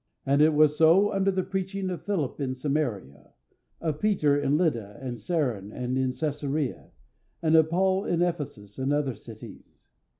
And it was so under the preaching of Philip in Samaria, of Peter in Lydda and Saron and in Caesarea, and of Paul in Ephesus and other cities.